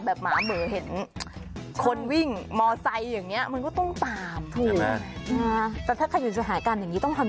เจอหมาเป็นฝูงเลยโอ้ยทีนี้เพราะรอดไหมคะที่ฉันอยากรู้จริงเลย